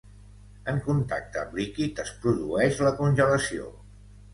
En contacte amb líquid es produeix la congelació.